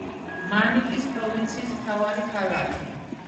მანიკის პროვინციის მთავარი ქალაქი.